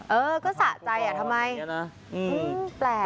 เออก็สะใจทำไมแปลก